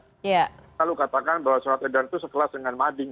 selalu katakan bahwa surat edar itu sekelas dengan mading